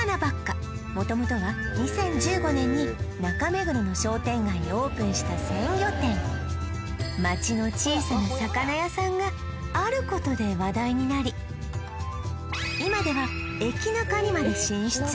元々は２０１５年に中目黒の商店街にオープンした鮮魚店町の小さな魚屋さんがあることで話題になり今では駅ナカにまで進出